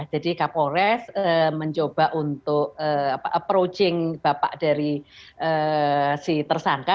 jadi kak polres mencoba untuk approaching bapak dari si tersangka